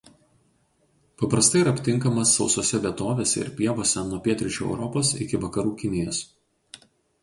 Paprastai yra aptinkamas sausose vietovėse ir pievose nuo pietryčių Europos iki vakarų Kinijos.